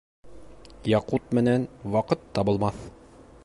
Яҡут менән ваҡыт табылмаҫ